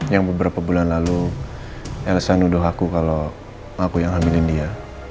yang beberapa bulan lalu elsa nuduh aku kalau aku yang ngambilin dia